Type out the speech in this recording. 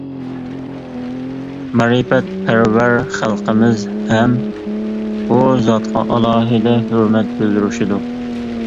مەرىپەتپەرۋەر خەلقىمىز ھەم بۇ زاتقا ئالاھىدە ھۆرمەت بىلدۈرۈشىدۇر.